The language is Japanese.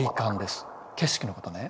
景色のことね。